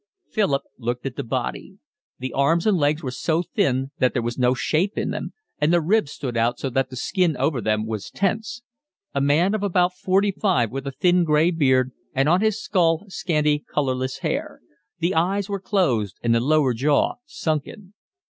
Philip looked at the body. The arms and legs were so thin that there was no shape in them, and the ribs stood out so that the skin over them was tense. A man of about forty five with a thin, gray beard, and on his skull scanty, colourless hair: the eyes were closed and the lower jaw sunken.